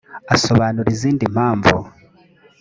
asobanura izindi mpamvu